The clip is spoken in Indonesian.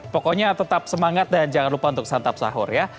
pokoknya tetap semangat dan jangan lupa untuk santap sahur ya